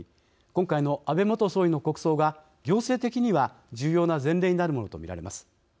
今回の安倍元総理の国葬が行政的には重要な前例になるものと見られます。